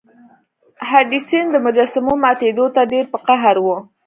هډسن د مجسمو ماتیدو ته ډیر په قهر و.